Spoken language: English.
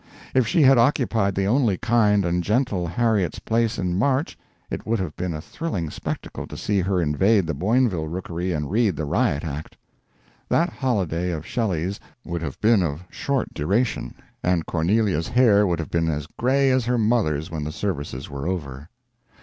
If she had occupied the only kind and gentle Harriet's place in March it would have been a thrilling spectacle to see her invade the Boinville rookery and read the riot act. That holiday of Shelley's would have been of short duration, and Cornelia's hair would have been as gray as her mother's when the services were over.